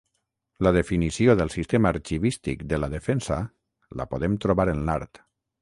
La definició del sistema arxivístic de la Defensa la podem trobar en l'art.